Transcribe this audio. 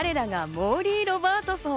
モーリー・ロバートソン。